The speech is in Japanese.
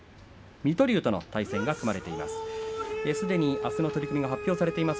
水戸龍と対戦が組まれています。